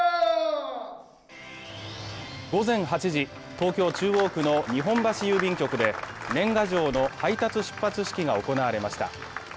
午前８時、東京・中央区の日本橋郵便局で年賀状の配達出発式が行われました。